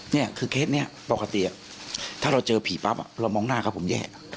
นี่คือเคสนี้ปกติถ้าเราเจอผีปั๊บเรามองหน้ากับผมแย่